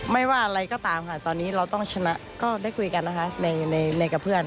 ไม่ว่าอะไรก็ตามค่ะตอนนี้เราต้องชนะก็ได้คุยกันนะคะในกับเพื่อน